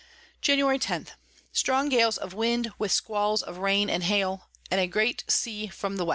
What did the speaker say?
Jan. 10. Strong Gales of Wind, with Squalls of Rain and Hail, and a great Sea from the W.